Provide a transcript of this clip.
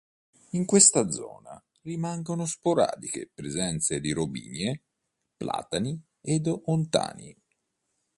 In questa zona rimangono sporadiche presenze di robinie, platani ed ontani.